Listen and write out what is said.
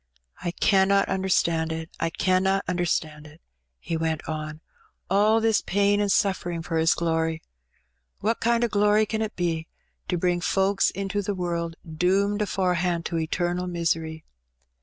''I canna imderstand it — I canna understand it,'^ he went on. ''All this pain and suflfering for His glory. What kind o' glory can it be, to bring folks into the world doomed afore hand to eternal misery?